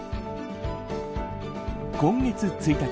今月１日